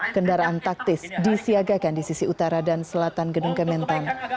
kendaraan taktis disiagakan di sisi utara dan selatan gedung kementeng